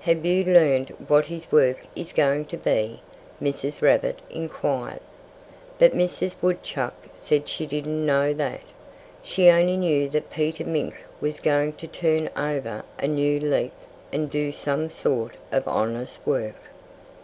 "Have you learned what his work is going to be?" Mrs. Rabbit inquired. But Mrs. Woodchuck said she didn't know that. She only knew that Peter Mink was going to turn over a new leaf and do some sort of honest work.